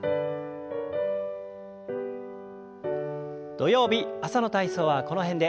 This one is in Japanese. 土曜日朝の体操はこの辺で。